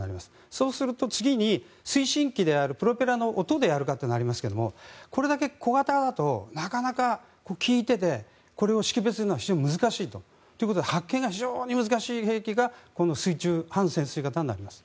そうすると次に推進器であるプロペラの音が鳴りますがこれだけ小型だとなかなか聞いていてこれを識別するのは非常に難しいと。ということで発見が非常に難しい兵器が半潜水型になります。